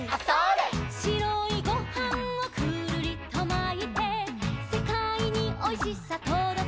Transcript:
「しろいごはんをくるりとまいて」「せかいにおいしさとどけます」